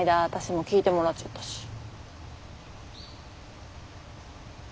私も聞いてもらっちゃったし。